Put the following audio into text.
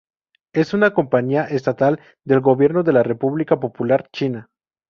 Es una compañía estatal del gobierno de la República Popular China.